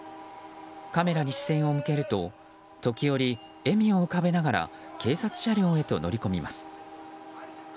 カメラに視線を向けると時折、笑みを浮かべながら警察車両へと乗り込みます。